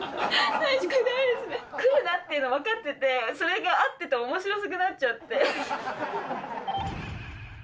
来るなっていうの分かってて、それが合ってておもしろくなっちゃって。